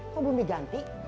kok belum diganti